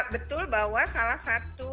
betul bahwa salah satu